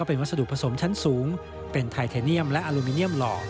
เป็นวัสดุผสมชั้นสูงเป็นไทเทเนียมและอลูมิเนียมหล่อ